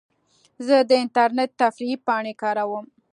زه د انټرنیټ تفریحي پاڼې کاروم.